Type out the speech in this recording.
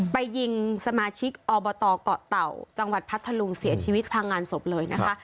ไปยิงสมาชิกอบตเกาะเต่าจังหวัดพัทธลุงเสียชีวิตพังงานศพเลยนะคะ